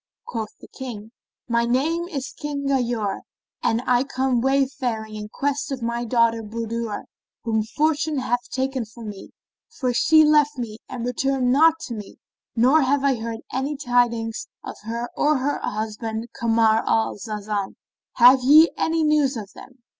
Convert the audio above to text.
Quoth the King, "My name is King Ghayur and I come wayfaring in quest of my daughter Budur whom fortune hath taken from me, for she left me and returned not to me, nor have I heard any tidings of her or of her husband Kamar al Zaman. Have ye any news of them?"